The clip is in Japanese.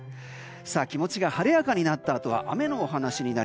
気持ちが晴れやかになったあとは雨のお話です。